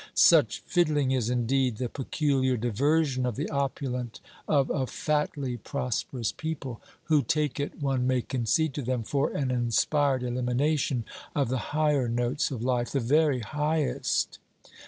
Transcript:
Such fiddling is indeed the peculiar diversion of the opulent of a fatly prosperous people; who take it, one may concede to them, for an inspired elimination of the higher notes of life: the very highest.